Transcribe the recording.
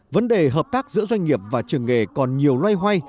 vấn đề hợp tác giữa doanh nghiệp và trường nghề còn nhiều loay hoay